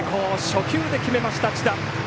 初球で決めました、千田。